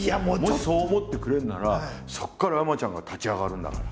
もしそう思ってくれるならそこから山ちゃんが立ち上がるんだから。